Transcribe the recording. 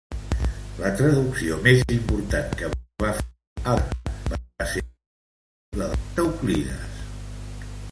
La traducció més important que va fer Adelard va ser la dels Elements d'Euclides.